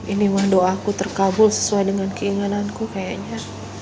ini mah doaku terkabul sesuai dengan keinginan aku kayaknya